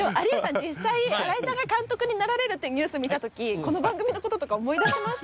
実際新井さんが監督になられるってニュース見た時この番組のこととか思い出しました？